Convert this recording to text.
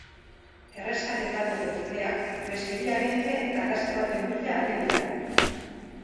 Erreskate taldeko kideak beste bi agente eta gazte baten bila ari dira.